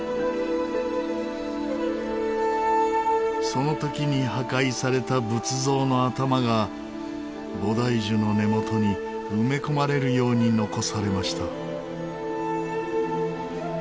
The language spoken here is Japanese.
その時に破壊された仏像の頭が菩提樹の根元に埋め込まれるように残されました。